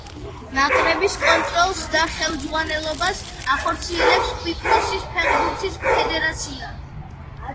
ნაკრების კონტროლს და ხელმძღვანელობას ახორციელებს კვიპროსის ფეხბურთის ფედერაცია.